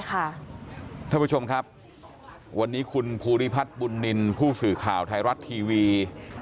ท่านผู้ชมครับวันนี้คุณภูริพัฒน์บุญนินทร์ผู้สื่อข่าวไทยรัฐทีวี